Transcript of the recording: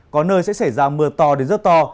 có nơi sẽ xảy ra mưa to đến rất to